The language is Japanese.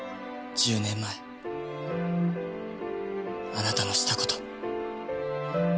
１０年前あなたのした事。